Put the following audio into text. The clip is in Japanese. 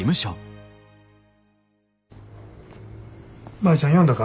舞ちゃん呼んだか？